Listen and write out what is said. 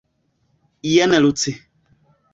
Jen Luci.